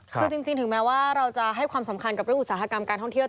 คือจริงถึงแม้ว่าเราจะให้ความสำคัญกับเรื่องอุตสาหกรรมการท่องเที่ยว